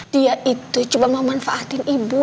dia itu cuma mau manfaatin ibu